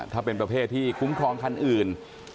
ถ้าเป็นประเภทที่คุ้มครองคันอื่น